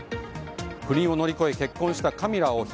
不倫を乗り越え結婚したカミラ王妃。